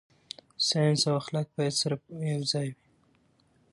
ساينس او اخلاق باید سره یوځای وي.